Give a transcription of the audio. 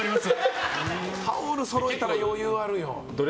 タオルそろえたら余裕あるよ。